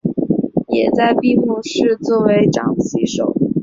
也在闭幕式作为掌旗手。